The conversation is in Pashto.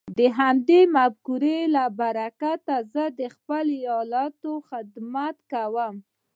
د همدې مفکورې له برکته زه د خپل ايالت خدمت کوم.